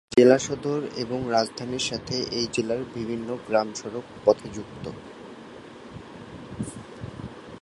জেলাসদর এবং রাজধানীর সাথে এই জেলার বিভিন্ন গ্রাম সড়ক পথে যুক্ত।